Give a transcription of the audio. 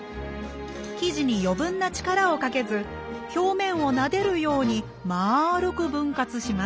生地に余分な力をかけず表面をなでるようにまるく分割します